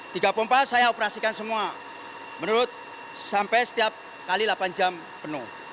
tiga pompa saya operasikan semua menurut sampai setiap kali delapan jam penuh